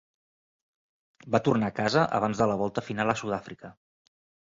Va tornar a casa abans de la volta final a Sud-àfrica.